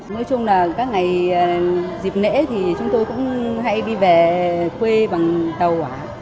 nói chung là các ngày dịp lễ thì chúng tôi cũng hay đi về quê bằng tàu hỏa